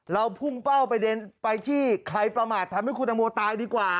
เราพุ่งเป้าประเด็นไปที่ใครประมาททำให้คุณตังโมตายดีกว่า